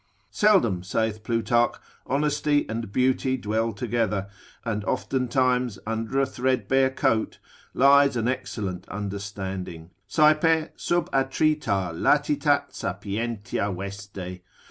Seldom, saith Plutarch, honesty and beauty dwell together, and oftentimes under a threadbare coat lies an excellent understanding, saepe sub attrita latitat sapientia veste.